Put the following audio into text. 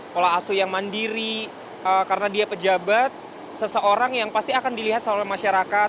pola asuh yang mandiri karena dia pejabat seseorang yang pasti akan dilihat oleh masyarakat